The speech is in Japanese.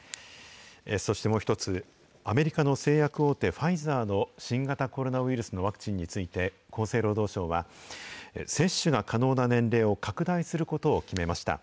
そしてもう一つ、アメリカの製薬大手、ファイザーの新型コロナウイルスのワクチンについて、厚生労働省は、接種が可能な年齢を拡大することを決めました。